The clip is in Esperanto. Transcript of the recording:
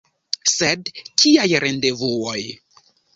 Sed kiaj rendevuoj?!